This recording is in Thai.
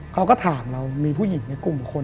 เขาก็ถามเรามีผู้หญิงในกลุ่มคน